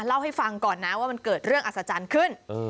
เล่าให้ฟังก่อนนะว่ามันเกิดเรื่องอัศจรรย์ขึ้น